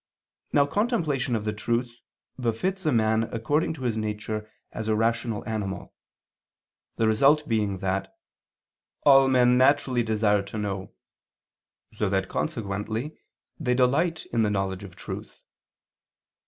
Now contemplation of the truth befits a man according to his nature as a rational animal: the result being that "all men naturally desire to know," so that consequently they delight in the knowledge of truth.